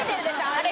あれ？